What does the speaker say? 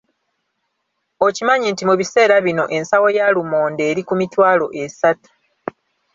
Okimanyi nti mu biseera bino ensawo ya lumonde eri ku mitwalo esatu.